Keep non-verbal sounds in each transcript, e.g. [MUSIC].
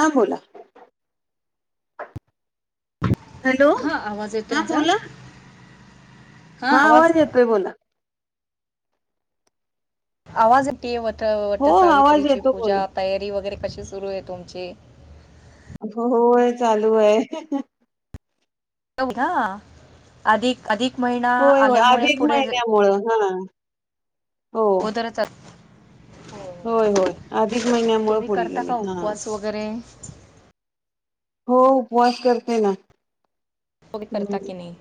हां बोला हॅलो हा आवाज य तो हा माझा? बोला हा आवाज येतोय बोला आवाज वट हो आवाज वटसावित्रीची येतो पूजा बोला तयारी वगैरे कशी सुरू आहे तुमची? होय चालू आहे. अधिक, अधिक, महिना होय हो आल्यामुळे अधिक पुढे महिन्या मुळ हा. हो अगोदरच होय होय अधिक महिन्या मुळ तुम्ही पुढ करता का गेली हा. उपवास वगैरे हो उपवास करते ना उपवास करता की नाही?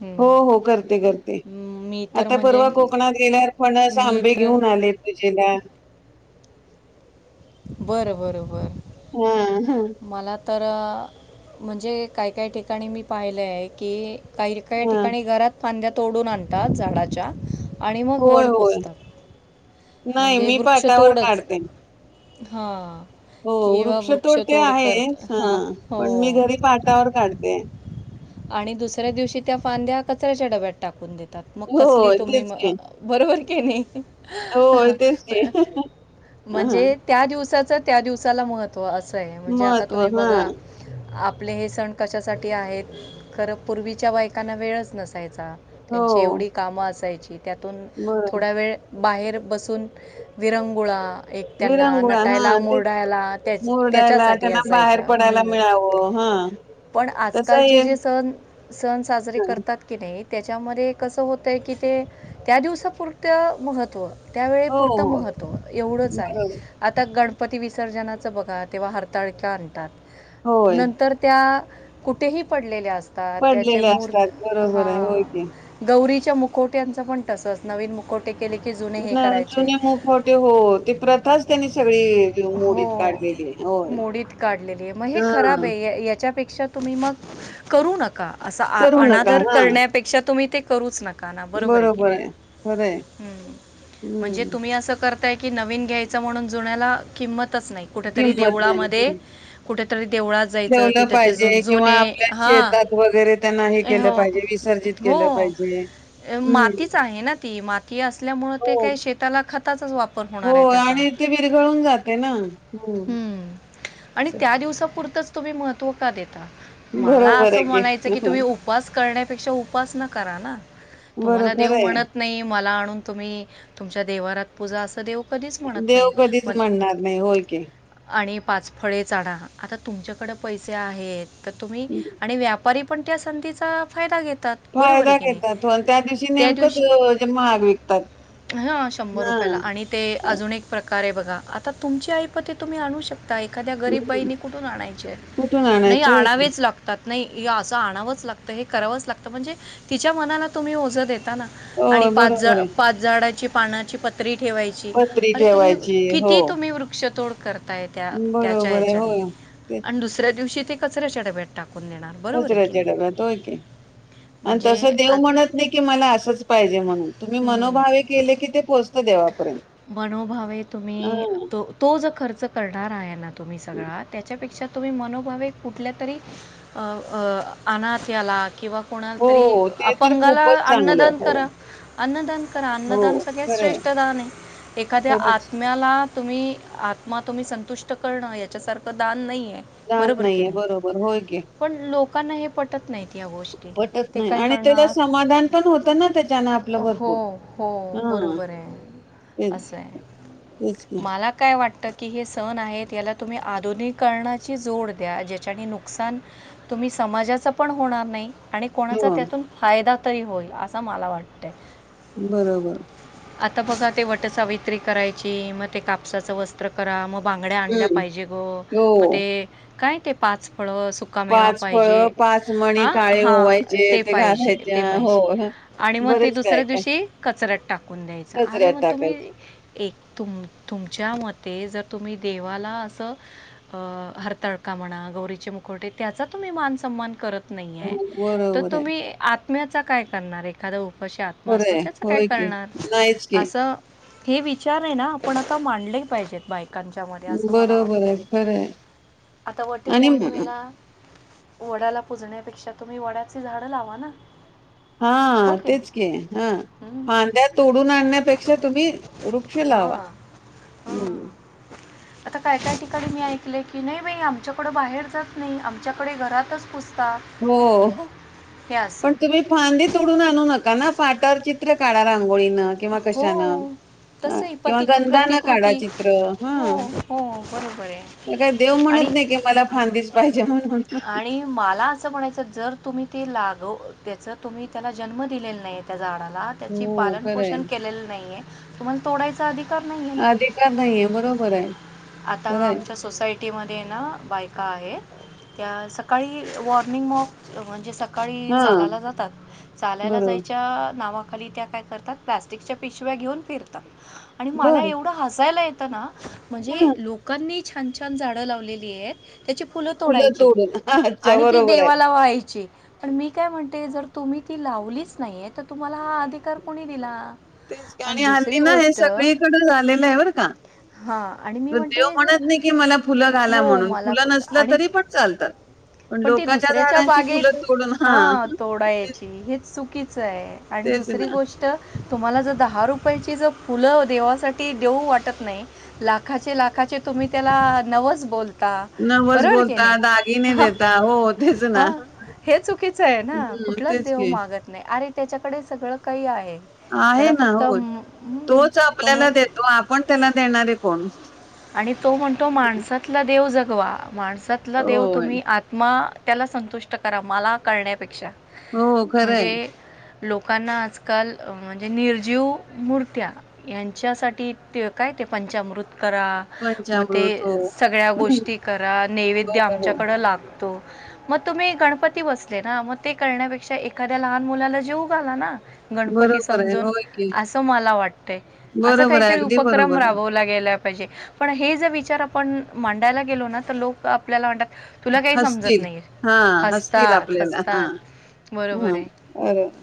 हम्म. हो हो करते, करते. मी तर आता म्हणजे परवा कोकणात गेल्यावर फणस मी आंबे तर घेऊन आले पूजेला बरं बरं बरं. हा हा. मला तर म्हणजे काही काही ठिकाणी मी पाहिलं आहे की काही काही हा ठिकाणी घरात पांद्या तोडून आणतात झाडाच्या. आणि मग होय वड होय पुजतात नाही म्हणजे मी वृक्ष पाटावर तोडच काढते हा. हो किव्हा वृक्ष वृक्षतोड ते तोड करत आहेच हा हो. पण मी घरी पाटावर काढते आणि दुसऱ्या दिवशी त्या फांद्या कचऱ्याच्या डब्यात टाकून देता. मग कसली होय तुम्ही तेच की बरोबर की नाही. होय, तेच की. हां, हां. म्हणजे त्या दिवसाच त्या दिवसाला महत्व अस आहे म्हणजे आता महत्त्व तुम्ही हां. बघा. आपले हे सण कशासाठी आहेत खरं पूर्वीच्या बायकांना वेळच नसायचा. हो, त्यांची एवढी कामं असायची त्यातून बरोबर थोडा वेळ बाहेर बसून विरंगुळा एक त्यांना विरंगुळा नटायला हां, तेच मोरडायला त्याच मुरडायला त्याच्यासाठी असायच्या हा. पण आजकालचे जे सण सण साजरे हां, करतात की नाही त्याच्यामध्ये कसं होतय की ते त्या दिवसापुरतं महत्त्व त्यावेळी हो, पुरतं हो. महत्त्व एवढंच आहे बरोबर. आता गण पती विसर्जनाचं बघा तेव्हा हरताळक्या आणतात होय, नंतर त्या कुठेही पडलेले असतात त्याचे पडलेले मूर्त असतात. बरोबर हा आहे. होय की. गौरी च्या मुकुट्यांचं पण तसंच नवीन मुकुट ना जुने मुखटे हो ते प्रथाच त्यांनी सगळी हो मोडीत काढलेली आहे. होय. मोडीत काढलेली आहे, मग हे खराब हां, आहे [UNINTELLIGIBLE] त्यापेक्षा तुम्ही मग करू नका, असा करू नका. अनादर हां, करण्यापेक्षा तुम्ही ते करूच नका नका ना बरोबर आहे की नाही, म्हणजे हं, तुम्ही असं करताय की नवीन घ्यायचं म्हणून जुन्याला किंमतच नाही, कुठेतरी किंमत नाही. देवळामध्ये कुठ ठेवलं पाहिजे, किंवा आपल्या हां शेतात वगैरे त्यांना हे ए, केलं हो पाहिजे विसर्जित के केलं हो पाहिजे. हं. मातीच आहे ना ती माती असल्यामुळे, ते हो, काही शेताला खताचाच वापर होणार आहे त्याचा. तिथे विरघळून जाते ना. हं. आणि त्या दिवसापुरतंच तुम्ही महत्त्व का देेतात? मला बरोबर असं आहे म्हणायचं की, तुम्ही उपवास करण्यापेक्षा उपासना करा ना. बरं तुम्हाला खरं देव आहे. म्हणत नाही मला आणून तुम्ही तुमच्या देवारात पूजा असं देव कधीच म्हणत देव नाही. कधीच मग म्हणणार नाही होय की. आणि पाच फळे चाढा आता तुमच्याकडं पैसे आहेत, तर तुम्ही आणि व्या पारी पण त्या संधीचा फायदा घेत फायदा घेतात, त्या दिवशी नेमकंच म्हणजे महाग विकतात. हा शंभर रुपयाला हां. आणि ते हं. अजून एक प्रकार ये बघा, आता तुमची ऐपत आहे तुम्ही आणू शकताय. एखाद्या गरीब बाईनी कुठून आणायचे, कुठून नाही आणायचं? होय की. आणावेच लागतात. नाही असं आणावंच लागतं हे करावंच लागतं, म्हणजे तिच्या मनाला तुम्ही ओझं देत ना आणि होय, बरोबर पाच- आहे. पाच झाडाची पानाची पत्री ठेवायची पत्री अरे तुम्ही ठेवायची. हो. किती तुम्ही वृक्षतोड करताय त्या- त्याच्या बरोबर आहे. होय. तेच. हेच्यात दुसऱ्या दिवशी कचऱ्याच्या डब्यात टाक कचऱ्याच्या डब्यात होय की. आणि म्हणजे तसं देव आ- म्हणत नाही की मला असंच पाहिजे म्हणून, तुम्ही हम्म. मनोभावे केले की ते पोहचत देवापर्यंत मनोभावे तुम्ही हां. तो -तो जो खर्च करणार आहे ना, तुम्ही हो, सगळा त्याच्यापेक्षा तुम्ही मनोभावे कुठल्या तरी अनाथ याला किंवा कोणाला तरी हो. ते तर अपंगाला खूपच चांगलं. अन्नदान हो, करा. अन्नदान करा हो. अन्नदान सगळ्यात खरं आहे. श्रेष्ठ दान आहे, एखाद्या आ खरंच. आत्म्याला तुम्ही आत्मा तुम्ही संतुष्ट करणं याच्या सारखं दान नाहीये. ताण बरोबर की नाहीये. नाही, बरोबर. होय की. पण लोकांना हे पटत नाही. पटत नाही आणि त्याला समाधान पण होत ना, त्याच्यानं आपलं भरपूर. हो हो हां. बरोबर आहे तेच, असं आहे, तेच की. मला काय वा वाटतं की हे सण आहेत याला तुम्ही आधुनिकरणाची जोड द्या. ज्याच्याने नुकसान तुम्ही समाजाचं पण होणार नाही. आणि कोणाचा हो. त्यातून फायदा तरी होईल, असं मला वाटतयं. बरोबर. आता बघा ते वट सावित्री करायची, मग ते कापसाचं वस्त्र करा मग बांगड्या आणल्या हं. पाहिजे गं मग ते हो. काय ते पाच फळ सुकामेवा पाहिजे फळं, मणी हा, काळे हा ओवायचे, ते पाहिजे ते घालायच्या. हो. पाहिजे. हं. आणि मग ते बरंच दुसऱ्या काय-काय. दिवशी कचऱ्यात टाकून द्यायच, अरे कचऱ्यात मग तुम्ही टाकायचं. तुमच्या मते जर तुम्ही देवाला अस हरतालळका म्ह गौरीचे मुखवटे त्याचा तुम्ही मान स्मान करत हो, नाहीये, तर बरोबर आहे. तुम्ही आत्म्याचा काय करणार एखादा पशी आत्मा असतो, खरंय. त्याच काय होय की. करणार? नाहीच की. असं हे विच विचार आहे ना, आपण आता मांडले पाहिजेत बाय कांच्या मध्ये असं मला बरोबर वाटतयं, आहे. खरंय आता वट आणि म पौर्णिमेला वड्याला पुजण्यापेक्षा तुम्ही, वड्याची झाडं लावा ना. हा हो तेच नाही की हा हम्म. फांद्या तोडून आणण्या पेक्षा तुम्ही वृक्ष क्ष हां लावा हां. हम. आता काय काय ठिकाणी मी ऐकले की, नाही बाई आमच्याकडे बाहेर जात नाही आमच्याकडे घरातच पुजतात. हो, असं पण तुम्ही फांदी तोडून आणू नका ना पाटावर चित्र रांगोळीन किंवा हो कशानं ह तसंही किंवा पती गंधा न काढा प्रतिकृती चित्र हो हा. हो बरोबर आहे काय देव म्हणत आणि नाही की, मला फांदीच पाहिजे म्हणून आणि मला असं म्हणायचं जर, तुम्ही ते लागव त्याच तुम्ही त्याला जन्म दिलेला नाही त्या झाडाला त्याची हो. पालन खरंय. पोषण केली नाहीये, तुम्हाला तोडायचा अधिकार नाही आहे ना. अधिकार नाहीये बरोबर आहे. आता खरंय. आमच्या सोसायटी मध्ये ना बायका आहेत. त्या सकाळी मॉर्निंग वाँक म्हणजे सकाळ सकाळी हां. चालायला जातात, चालायला बरोबर. जायच्या नावा खाली त्या काय करतात? प्लॅस्टिकच्या पिशव्या घेऊन फिरतात, आणि मला बरं. एवढं हसायला येतं ना. म्हणजे लोकांनी छान छान! झाडं लावलेली आहेत. त्याची फुलं तोडायची, तोडून अच्छा आणि ती बरोबर आहे. देवाला व्हायची. पण मी काय म्हणते, जर तुम्ही ती लावलीच नाहीये तर तुम्हाला हा अधिकार कोणी दिला. तेच की आणि हल्ली दुसरी ना हे गोष्ट सगळीकडे झालेलं आहे बरं का. हा आणि मी म्हण देव जर म्हणत नाही की मला फुलं घाला हो, म्हणून मला फुलं पण नसलं आणि तरी पण चालतात. पण ती लोकाच्या दुसऱ्याच्या झाडांची बागेत फुलं तोडून हां. हा ते तोडायची हेच चुकीचं आहे, आणि तेच दुसरी ना गोष्ट तुम्हाला जर दहा रुपयाची जर फुलं देवासाठी देऊ वाटत नाही, लाखाचे लाख खाचे तुम्ही त्याला नवस बोल ता नवस बरोबर की बोलता, नाही? दागिने ह देता हो तेच ना. हा. हे चुकीचं आहे ना, हं, कुठलाचं तेच देव की मागत नाही अरे! त्याच्याकडे सगळं काही आहे. आहे त्याला ना फक्त होय, म हं, तोच तो म आपल्याला देतो आपण त्याला देणारे कोण? आणि तो म्हणतो, माणसातला देव जगवा माणसातला देव होय. तुम्ही आत्मा त्याला संतुष्ट करा, मला करण्यापेक्षा हो, खरयं. म्हणजे लोकांना आजकाल म्हणजे निर्जीव मूर्त्या ह्यांच्यासाठी ते काय पंचामृत करा मग ते पंचामृत हो. सगळ्या हं. गोष्टी करा, हो, नैवेद्य हो. आमच्याकडं लागतो. मग तुम्ही गणपती बसले ना, मग ते करण्यापेक्षा एखाद्या लहान मुलाला जेवू घाला ना. गणपती बरोबर आहे. समजून होय की. असं मला वाटतय, असं बरोबर आहे, काहीतरी अगदी उपक्रम बरोबर आहे. राबवला गेला पाहिजे पण हे जर विचार आपण मांडायला गेलो ना, तर लोक आपल्याला वाट हसतील हा हसतील हसतात आपल्याला हा. हसतात बरोबर हम, आहे बरोबर.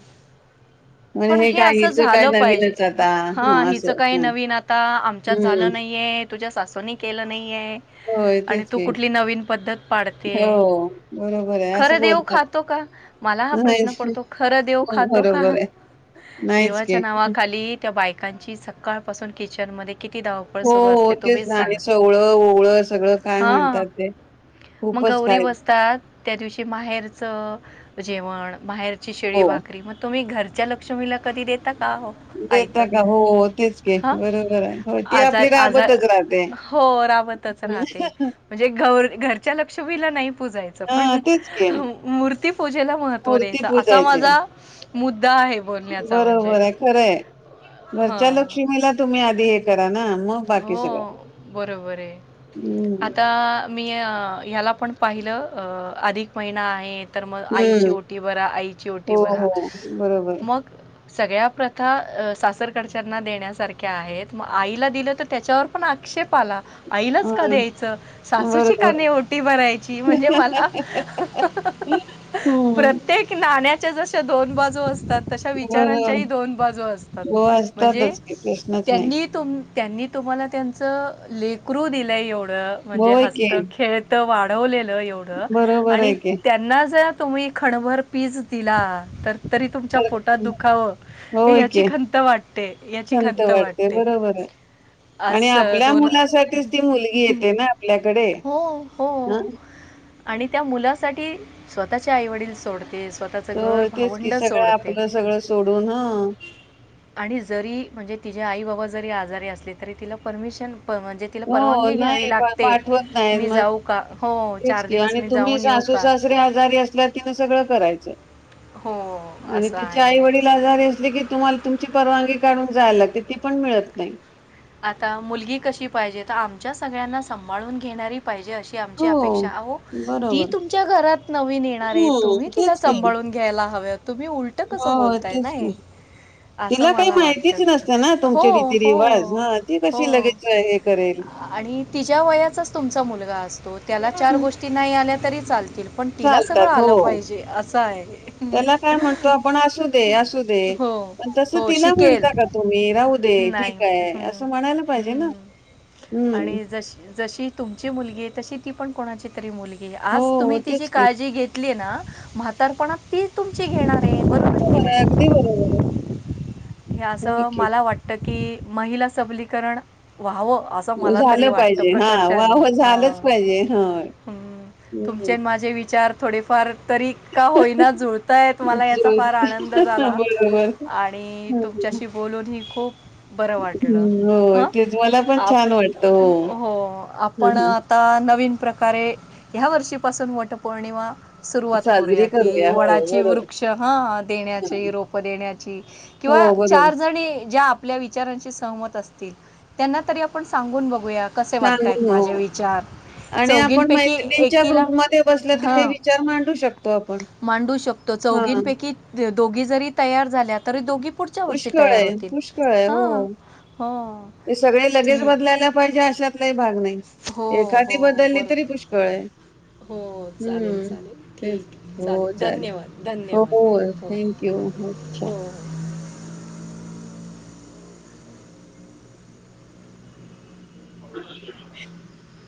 [INAUDIBLE] म्हणजे पण हे काय असं हिचं काय झालं पाहिजे, नवीनच आता हा हं, हिचं असं काही हं, नवीन आता आमच्यात हं. झालं नाही. हे तुझ्या सासूनी केलं नाहीये. होय, आणि तेच तू की. कुठली नवीन पद्धत पाडते, हो, बरोबर आहे. असं खरं देव बोलतात. खातो का? मला हा प्रश्न नाहीच पडतो, खरं देव हो, खातो का? बरोबर आहे. नाहीच की. देवाच्या नावाखाली त्या बायकांची सकाळ पासून किचन मध्ये किती धावपळ हो सुरू असते तेच तुम्हीच ना, आणि सांगा. सगळं ओवळं सगळं काय हां, म्हणतात ते? मग खूपच गौरी काय बसतात, त्या दिवशी माहेरच जेवण बाहेरची शिळी हो. भाकरी मग तुम्ही घरच्या लक्ष्मीला कधी देतात? देता का, हो तेच की बरोबर आहे हो. ती आज आपली आज राबतच राहते. हो राबतच राहते, म्हणजे घरच्या लक्ष्मी नी ला नाही. पुजायचं पण हां, तेच की. मूर्ती पूजेला महत्व मूर्ती द्यायच असा पूजायची. माझा मु द्दा आहे बोलण्याचा म्हणजे. बरोबर आहे खरंय ह. घरच्या लक्ष्मीला तुम्ही आधी हे करा ना मग बाकी सगळं हो बरोबर आहे हम्म आता मी म याला पण पाहिलं अधिक महिना आहेत. तर मग आईची हम्म ओटी भरा आईची ओटी हो भरा हो बरोबर मग सगळ्या प्रथा सास रकडच्यांना देण्यासारख्या आहेत मग आईला दिलं तर त्याच्यावर पण आक्षेप आला. अ आईलाच का द्यायचं सासूची का बरोबर नाही ओटी भरायची म्हणजे मला हम्म प्रत्येक नाण्याच्या जश्या दोन बाजू असत तात तसं बरोबर विचारांच्याही दोन बाजू असतात हो म्हणजे असतातच की प्रश्नच नाही त्यांनी त्यांनी तुम्हाला त्यांच लेकरू दिलयं एवढं. म्हणजे होय की हस्त खेळत वाढवलेलं एवढं बरोबर आणि आहे की त्यांना जर तुम्ही खणभर पीस दिला तर तरी तुमच्या तर पोटात दुखावं होय याची की खंत वाटते याची खंत वाटते. हो! [UNINTELLIGIBLE] आणि असं आपल्या दोन मुलासाठीच ती मुलगी येते ना आपल्याकडे हो हो हं. आणि त्या मुलासाठी स्वतःच्या आईवडील सोडत ते स्वतःच घर तेच की भावंड सगळं सोडते. आपलं सगळं सोडून ह आणि जरी म्हणजे तिचे आई बाबा जरी आजारी असले तरी तिला परमिशन म्हणजे तिला हो, परवानगी घ्यावी नाही पा लागते. पाठवत नाहीत मी मग जाऊ का? हो तेच चार की दिवस आणि मी तुम्ही जाऊन येऊ सासू का सासरी आजारी असल्या तिनं सगळं करायचं. हो आणि असं तिची आहे आई वडील आजारी असले की तुम्हाला तुमची परवानगी काढून जायला लागते. ती पण मिळत नाही. आता मुलगी कशी पाहिजे तर आमच्या सगळ्यांना सांभाळून घेणारी. पाहिजे अशी आमची हो, अपेक्षा आहो ती बरोबर. तुमच्या घरात नवीन येणार आहे हं, तुम्ही तिला तेच की. सांभाळून. घ्यायला हव तुम्ही उलट कसं हो, बोलताय तेच नाही. की. असं तिला काही मला माहितीच नसते ना वाटत हो तुमचे हो. रीती-रिवाज. हां, ती हो कशी लगेच हे करेल? आणि तिच्या वयाचाच तुमचा मुलगा अस त्याला चार हं, गोष्टी नाही आल्या तरी चालत. चालतात हो, आहे त्याला काय म्हणतो आपण असूदे असूदे. हो पण तस हो तिला शिकेल म्हणता का तुम्ही राहू दे नाही ठीक आहे. हम्म असं म्हणायला पाहिजे ना. हम्म, हम्म. आणि जशी जशी तुमची मुलगी आहे तशी ती पण कोणाची तरी मुलगी हो, आज हो. तुम्ही तिची तेच की. काळजी घेतली ना. म्हातारपणात तीच तुमची घेणार आहे. बरोबर की होय नाही अगदी बरोबर. हे होय असं की. मला वाटत की महिला सबलीकरण व्हावं. असं मला तरी झालं वाटतं पाहिजे हा प्रकर्षाने व्हावं झालंच हां पाहिजे ह. तुमचे आणि माझे विचार थोडेफार तरी का होईना जुळतायेत मला याचा जोर. फार आनंद झाला बरोबर. आणि हं. तुमच्याशी बोलून ही खूप बरं वाटलं हं. होय. ह तेच मला पण छान वाटतं. हो हं, आपण हं. आता नवीन प्रकारे ह्या वर्षीपासून वटपौर्णिमा सुरुवात करूया साजरी कि हो, वडाची बरोबर. वृक्ष हा हं. देण्याची रोप देण्याची किंवा हो, चार बरोबर. जणी ज्या आपल्या विचारांशी सहमत असतील त्यांना तरी आपण सांगून बघू बघूया कसे वाटतायेत सांगून हो माझे विचार? आणि आपण चौघींपैकी मैत्रिणींच्या एकीला ग्रुपमध्ये बसलं तर हे हां विचार मांडू शकतो आपण. मांडू शकतो. हां. चौघींपैकी दोघी जरी तयार झाल्या तरी दोघी पुढच्या वर्षी पुष्कळ तयार आहे, होतील. पुष्कळ आहे. हां हो. हो. ते सगळे लगेच ठीक बदलायला पाहिजे अशातलाही भा हो हो एखादी बदलली तरी बरं पुष्कळये हो चालेल चालेल तेच ठीक आहे. हो चालेल धन्यवाद. हो धन्यवाद. हो. हो हो हो [INAUDIBLE] [INAUDIBLE]